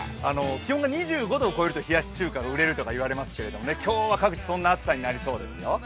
気温が２５度を超えると冷やし中華が売れるとかいいますが、今日は各地、そんな暑さになりそうですよ。